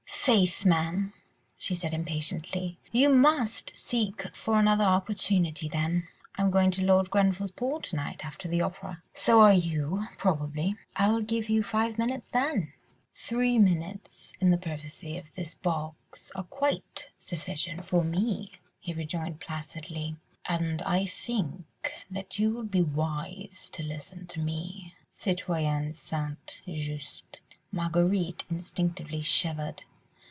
"Faith, man!" she said impatiently, "you must seek for another opportunity then. I am going to Lord Grenville's ball to night after the opera. So are you, probably. I'll give you five minutes then. ..." "Three minutes in the privacy of this box are quite sufficient for me," he rejoined placidly, "and I think that you would be wise to listen to me, Citoyenne St. Just." Marguerite instinctively shivered.